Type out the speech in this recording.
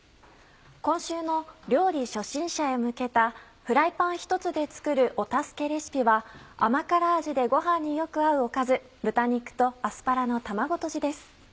今週の料理初心者へ向けたフライパンひとつで作るお助けレシピは甘辛味でご飯によく合うおかず「豚肉とアスパラの卵とじ」です。